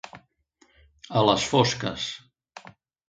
A les fosques.